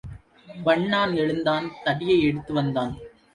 வண்ணான் எழுந்தான் தடியை எடுத்து வந்தான்.